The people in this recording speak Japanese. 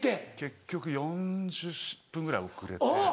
結局４０分ぐらい遅れて。